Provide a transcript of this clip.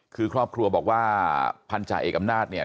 คือครอบครัวบอกว่าพันธาเอกอำนาจเนี่ย